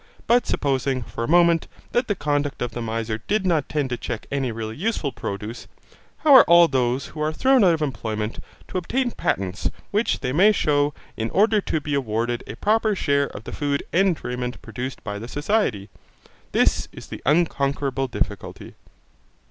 But supposing, for a moment, that the conduct of the miser did not tend to check any really useful produce, how are all those who are thrown out of employment to obtain patents which they may shew in order to be awarded a proper share of the food and raiment produced by the society? This is the unconquerable difficulty.